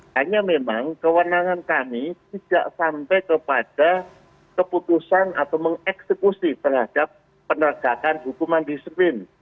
hanya memang kewenangan kami tidak sampai kepada keputusan atau mengeksekusi terhadap penegakan hukuman disiplin